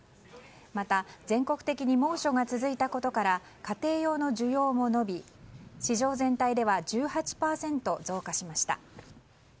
また、全国的に猛暑が続いたことから家庭用の需要も伸び市場全体では１８％増加しました。